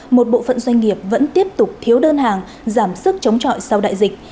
một bộ phận doanh nghiệp vẫn tiếp tục thiếu đơn hàng giảm sức chống trọi sau đại dịch